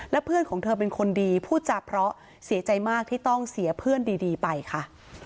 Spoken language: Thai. และเพื่อนของเธอเป็นคนดีพูดจาเพราะเสียใจมากที่ต้องเสียเพื่อนดีไปค่ะ